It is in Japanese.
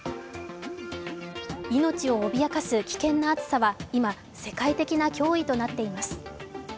命を脅かす危険な暑さは今、世界的な脅威となっています。